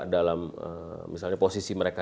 dalam misalnya posisi mereka